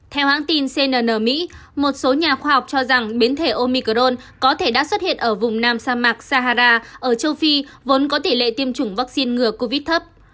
theo hãng tin cn mỹ một số nhà khoa học cho rằng biến thể omicrone có thể đã xuất hiện ở vùng nam sa mạc sahara ở châu phi vốn có tỷ lệ tiêm chủng vaccine ngừa covid thấp